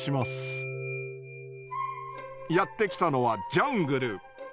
やって来たのはジャングル。